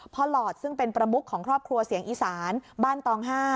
หลอดซึ่งเป็นประมุขของครอบครัวเสียงอีสานบ้านตอง๕